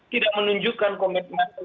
tidak menunjukkan komitmen